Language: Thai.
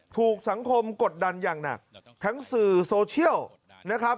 ถูกสังคมกดดันอย่างหนักทั้งสื่อโซเชียลนะครับ